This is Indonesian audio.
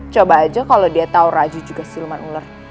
coba aja kalo dia tau raju juga siluman ular